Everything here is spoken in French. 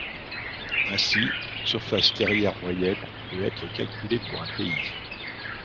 Ainsi une surface terrière moyenne peut être calculée pour un pays.